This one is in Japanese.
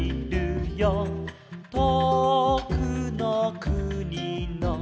「とおくのくにの」